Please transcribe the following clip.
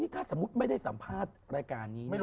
ถ้าสมมุติไม่ได้สัมภาษณ์รายการนี้